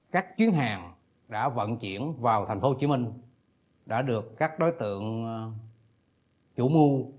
các chuyến hàng đã vận chuyển vào thành phố hồ chí minh đã được các đối tượng chủ mu